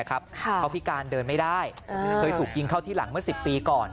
เขาพิการเดินไม่ได้เคยถูกยิงเข้าที่หลังเมื่อ๑๐ปีก่อน